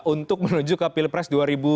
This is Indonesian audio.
untuk menuju ke pilpres dua ribu dua puluh